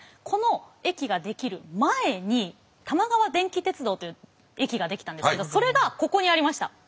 この駅が出来る前に玉川電気鉄道という駅が出来たんですけどそれがここにありました。